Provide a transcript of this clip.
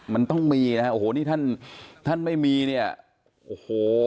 มันต้องมีนะฮะโอ้โหนี่ท่านท่านไม่มีเนี่ยโอ้โห